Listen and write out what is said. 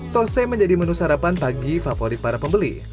tose menjadi menu sarapan pagi favorit para pembeli